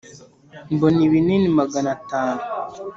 Mbona ibinini magana atanu